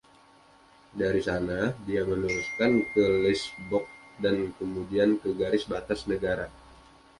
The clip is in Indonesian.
Dari sana, dia meneruskan ke Leesburg dan kemudian ke garis batas negara.